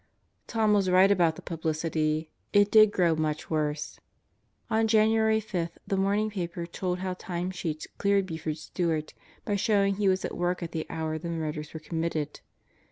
..." Tom was right about the publicity. It did grow much worse. On January 5 the morning paper told how time sheets cleared Buford Stewart by showing he was at work at the hour the murders were committed.